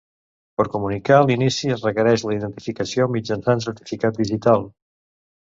Per comunicar l'inici es requereix la identificació mitjançant certificat digital.